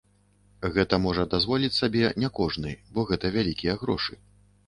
Гэта можа дазволіць сабе не кожны, бо гэта вялікія грошы.